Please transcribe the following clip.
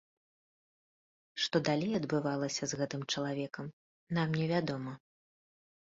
Што далей адбывалася з гэтым чалавекам, нам не вядома.